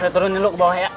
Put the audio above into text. saya turunin dulu ke bawah ya